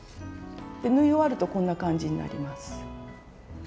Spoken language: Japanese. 縫い終わるとこんな感じになります。